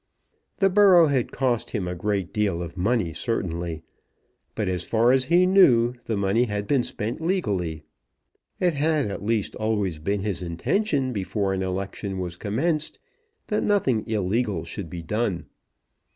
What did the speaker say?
The borough had cost him a great deal of money certainly; but as far as he knew the money had been spent legally. It had at least always been his intention before an election was commenced that nothing illegal should be done.